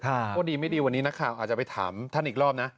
ว่าดีไม่ดีวันนี้นักข่าวอาจจะไปถามท่านอีกรอบนะ